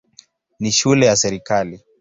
Ni shule ya serikali.